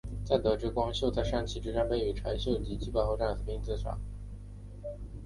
在得知光秀在山崎之战中被羽柴秀吉击败并战死后自杀。